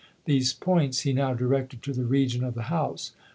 These points he now directed to the region of the house.